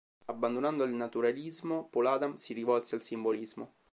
Abbandonando il naturalismo, Paul Adam si rivolse al simbolismo.